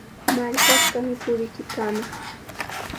Marqashqami purichikamaq.